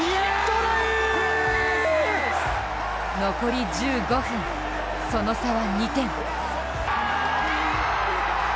残り１５分、その差は２点。